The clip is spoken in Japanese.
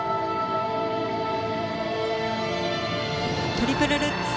トリプルルッツ